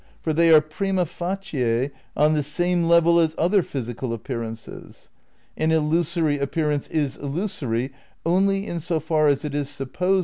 "For they are prima facie on the same level as other physical appearances. ... An illusory appearance is illusory only in so far as it is supposed ...